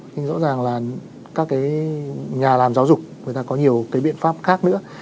nhưng rõ ràng là các nhà làm giáo dục người ta có nhiều cái biện pháp khác nữa